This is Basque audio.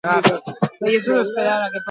Oro har, industriari emandako eskualdea da.